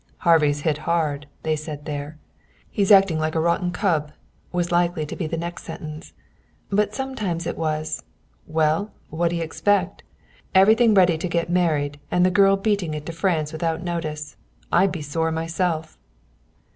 "Harvey's hit hard," they said there. "He's acting like a rotten cub," was likely to be the next sentence. But sometimes it was: "Well, what'd you expect? Everything ready to get married, and the girl beating it for France without notice! I'd be sore myself."